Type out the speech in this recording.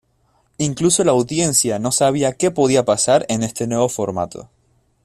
Incluso la audiencia no sabía que podía pasar en este nuevo formato.